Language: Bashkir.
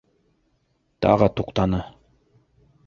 Тағы туҡтаны.